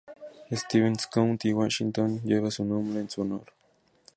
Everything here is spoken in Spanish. Stevens County, Washington, lleva su nombre en su honor.